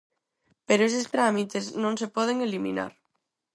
Pero eses trámites non se poden eliminar.